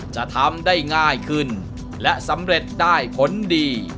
จะทำได้ง่ายขึ้นและสำเร็จได้ผลดี